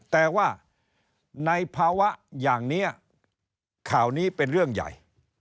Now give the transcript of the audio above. แต่ว่าในภาวะอย่างนี้ข่าวนี้เป็นเรื่องใหญ่